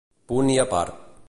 Punt i a part.